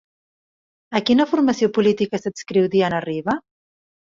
A quina formació política s'adscriu Diana Riba?